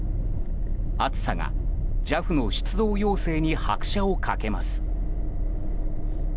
暑さがＪＡＦの出動要請に拍車をかけます。